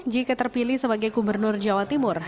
jika terpilih sebagai gubernur jawa timur